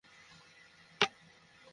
আরে শালা, কমেডি করতেসিস?